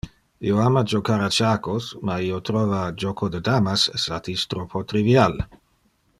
Io ama jocar a chacos, ma io trova joco de damas satis troppo trivial.